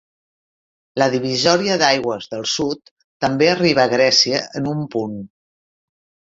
La divisòria d'aigües del sud també arriba a Grècia en un punt.